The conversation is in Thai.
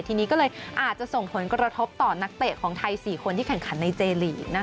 ทีนี้ก็เลยอาจจะส่งผลกระทบต่อนักเตะของไทย๔คนที่แข่งขันในเจลีก